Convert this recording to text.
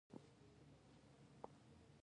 آیا دوی کتابتونونه نه جوړوي؟